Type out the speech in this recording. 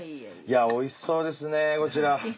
いやおいしそうですねこちら。